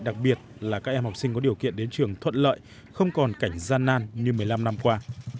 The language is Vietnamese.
đặc biệt là các em học sinh có điều kiện đến trường thuận lợi không còn cảnh gian nan như một mươi năm năm qua